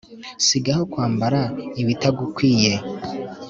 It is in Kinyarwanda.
sigaho kwambara ibitagukwiye